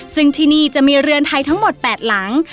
ซึ่งที่นี่จะมีเรือนไทยทั้งหมด๘หลัง